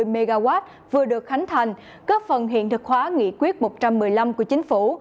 bốn trăm năm mươi mw vừa được khánh thành các phần hiện thực hóa nghị quyết một trăm một mươi năm của chính phủ